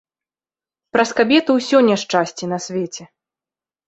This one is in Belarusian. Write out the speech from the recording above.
Праз кабету ўсё няшчасце на свеце.